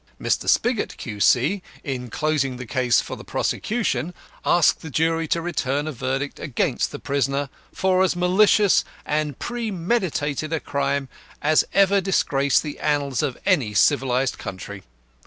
Mr. SPIGOT, Q.C., in closing the case for the prosecution, asked the jury to return a verdict against the prisoner for as malicious and premeditated a crime as ever disgraced the annals of any civilised country.